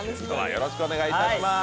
よろしくお願いします！